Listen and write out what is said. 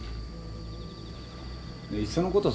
いっそのこと